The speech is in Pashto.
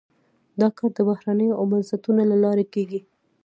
دا کار د بهیرونو او بنسټونو له لارې کیږي.